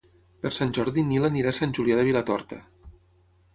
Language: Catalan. Per Sant Jordi en Nil irà a Sant Julià de Vilatorta.